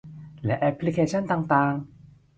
และแอปพลิเคชันต่างต่าง